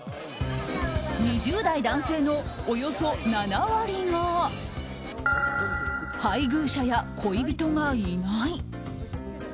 ２０代男性のおよそ７割が配偶者や恋人がいない。